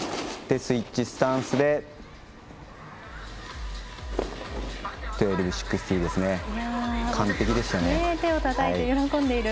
スイッチスタンスで１２６０。